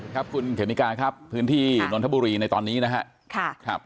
ขอบคุณเทมิกาครับพื้นที่นทบุรีในตอนนี้นะฮะ